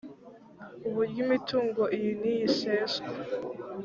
uburyo imitungo iyi n iyi iseswa